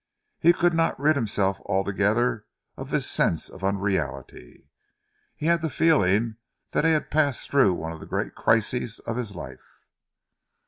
He could not rid himself altogether of this sense of unreality. He had the feeling that he had passed through one of the great crises of his life.